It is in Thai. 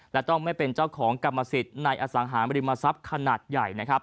และต้องไม่เป็นเจ้าของกรรมสิทธิ์ในอสังหารมริมทรัพย์ขนาดใหญ่นะครับ